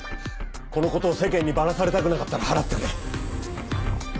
この事を世間にバラされたくなかったら払ってくれ。